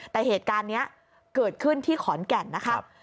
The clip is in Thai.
แต่เหตุการณ์นี้เกิดขึ้นที่ขอนแก่นนะคะ